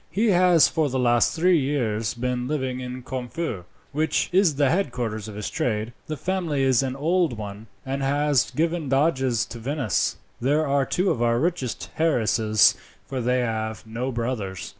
He has for the last three years been living in Corfu, which is the headquarters of his trade. The family is an old one, and has given doges to Venice. They are two of our richest heiresses, for they have no brothers.